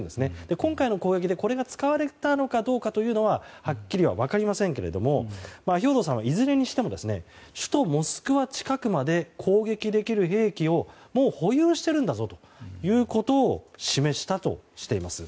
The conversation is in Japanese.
今回の攻撃でこれが使われたのかどうかというのははっきりは分かりませんが兵頭さんはいずれにしても首都モスクワ近くまで攻撃できる兵器をもう保有しているということを示したとしています。